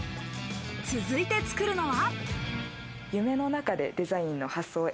続いて作るのは。